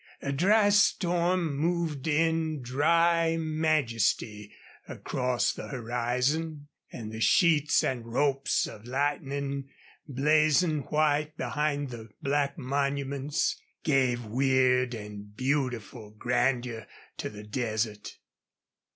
A dry storm moved in dry majesty across the horizon, and the sheets and ropes of lightning, blazing white behind the black monuments, gave weird and beautiful grandeur to the desert.